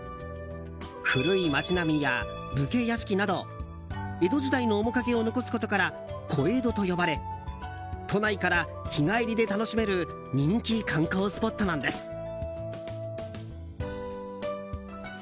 古い街並みや武家屋敷など江戸時代の面影を残すことから小江戸と呼ばれ都内から日帰りで楽しめる人気観光スポットなんです。